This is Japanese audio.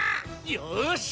よし！